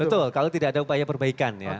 betul kalau tidak ada upaya perbaikan ya